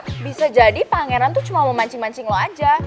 atau bisa jadi pangeran tuh cuma mau mancing mancing lo aja